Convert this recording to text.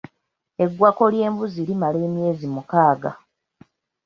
Eggwako ly’embuzi limala emyezi mukaaga.